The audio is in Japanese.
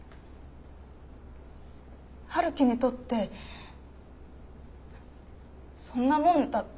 陽樹にとってそんなもんだった？